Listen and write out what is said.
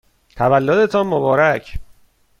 تولدتان مبارک!